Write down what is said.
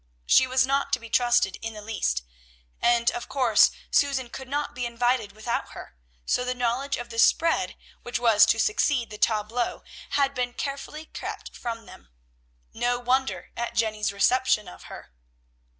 She was not to be trusted in the least; and, of course, Susan could not be invited without her, so the knowledge of the spread which was to succeed the tableaux had been carefully kept from them. No wonder at Jenny's reception of her!